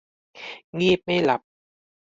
งีบไม่หลับ